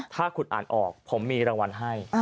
ถ้าคุณอ่านออกผมมีรางวัลให้